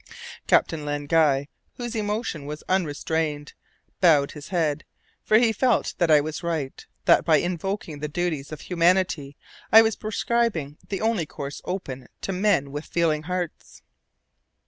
Captain Len Guy, whose emotion was unrestrained, bowed his head, for he felt that I was right, that by invoking the duties of humanity I was prescribing the only course open to men with feeling hearts.